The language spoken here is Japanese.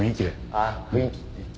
ああ雰囲気えっ？